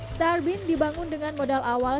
starbeam dibangun dengan modal awal